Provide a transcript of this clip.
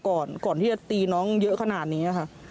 ก่อนที่จะตีน้องเยอะขนาดนี้ค่ะ